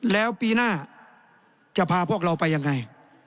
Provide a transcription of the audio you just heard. แล้วปีหน้าจะพาพวกเราไปยังไง